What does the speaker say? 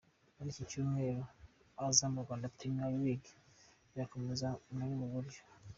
Kuri iki cyumweru, Azam Rwanda Premier League irakomeza muri ubu buryo:.